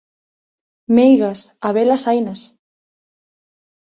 Meigas, habelas hainas!